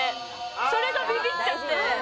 それでビビっちゃって。